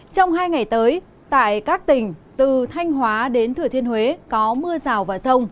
trong hai ngày tới tại các tỉnh từ thanh hóa đến thừa thiên huế có mưa rào và rông